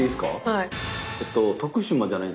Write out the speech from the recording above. はい。